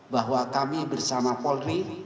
bahwa kami bersama polri